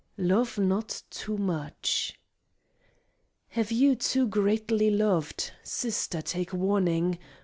Love not too much Have you too greatly loved? Sister take warning!